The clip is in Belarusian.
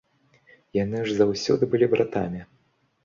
Яны ж заўсёды былі братамі.